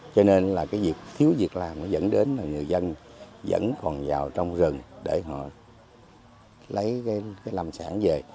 cho nên là cái việc thiếu việc làm nó dẫn đến là người dân vẫn còn vào trong rừng để họ lấy cái làm sản về